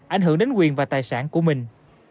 ảnh hưởng đến quyền và tài sản của mình